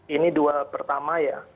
ini dua pertama ya